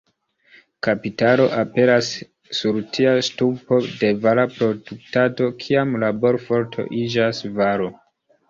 Kapitalo aperas sur tia ŝtupo de vara produktado, kiam laborforto iĝas varo.